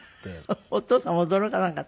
お父さん驚かなかった？